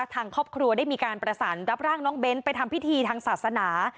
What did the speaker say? ทางครอบครัวได้มีการประสานรับร่างน้องเบ้นไปทำพิธีทางศาสนา